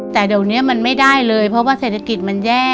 แต่เดี๋ยวนี้มันไม่ได้เลยเพราะว่าเศรษฐกิจมันแย่